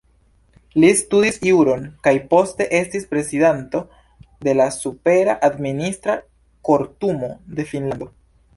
Li studis juron kaj poste estis prezidanto de la Supera Administra Kortumo de Finnlando.